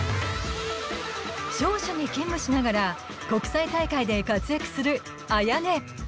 商社に勤務しながら国際大会で活躍するＡｙａｎｅ。